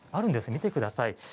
見てください。